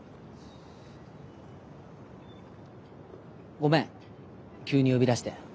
ごめん急に呼び出して。